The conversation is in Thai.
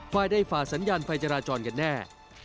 ฝ่ายใดฝ่าสัญญาณไฟจราจรกันแน่